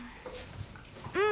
うん。